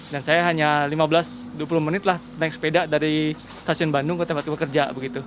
dan saya hanya lima belas dua puluh menit naik sepeda dari stasiun bandung ke tempat kerja